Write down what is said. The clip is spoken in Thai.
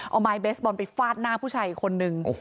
เอาไม้เบสบอลไปฟาดหน้าผู้ชายอีกคนนึง